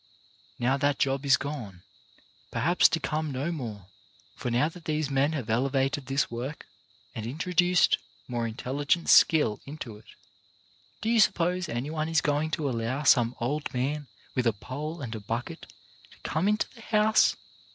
Now that job is gone, per haps to come no more; for now that these men have elevated this work, and introduced more in telligent skill into it, do you suppose any one is going to allow some old man with a pole and a bucket to come into the house